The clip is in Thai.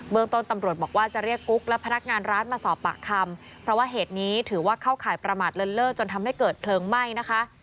เมืองต้นตำรวจบอกว่าจะเรียกกุ๊กและพนักงานร้านมาสอบปากคำเพราะว่าเหตุนี้ถือว่าเข้าข่ายประมาทเลินเลิกจนทำให้เกิดเพลิงไหม้นะคะ